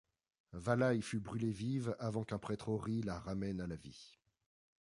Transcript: Vala y fut brûlée vive avant qu’un prêtre Ori la ramène à la vie.